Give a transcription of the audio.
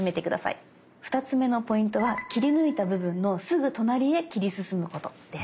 ２つ目のポイントは切り抜いた部分のすぐ隣へ切り進むことです。